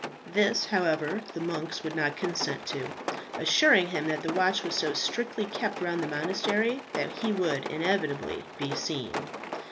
This, however, the monks would not consent to, assuring him that the watch was so strictly kept round the monastery that he would inevitably be seen.